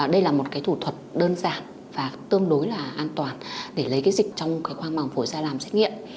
đây là một thủ thuật đơn giản và tương đối là an toàn để lấy dịch trong khoang măng phổi ra làm xét nghiệm